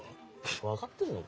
分かってんのか？